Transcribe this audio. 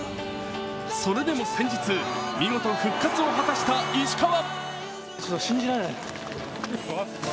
それでも先日、見事復活を果たした石川。